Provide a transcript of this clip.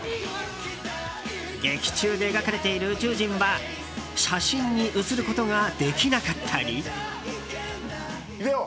劇中で描かれている宇宙人は写真に写ることができなかったり。日出男！